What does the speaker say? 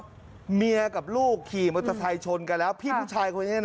แล้วอ้างด้วยว่าผมเนี่ยทำงานอยู่โรงพยาบาลดังนะฮะกู้ชีพที่เขากำลังมาประถมพยาบาลดังนะฮะ